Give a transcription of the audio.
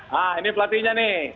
nah ini pelatihnya nih